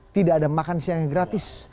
tidak ada makan siang yang gratis